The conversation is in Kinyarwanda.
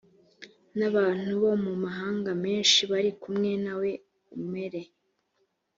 n abantu bo mu mahanga menshi bari kumwe nawe umere